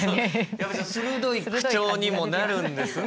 やっぱり鋭い口調にもなるんですね